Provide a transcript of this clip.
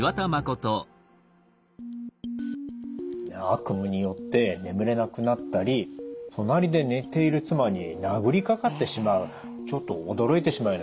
悪夢によって眠れなくなったり隣で寝ている妻に殴りかかってしまうちょっと驚いてしまうようなケースでしたね。